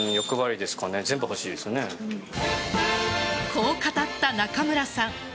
こう語った中村さん。